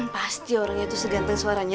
pasti orangnya tuh seganteng suaranya